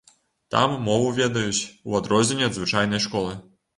Там мову ведаюць, у адрозненне ад звычайнай школы.